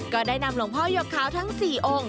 ก็ได้นำหลวงพ่อยกขาวทั้ง๔องค์